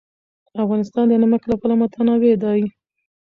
افغانستان د نمک له پلوه متنوع دی.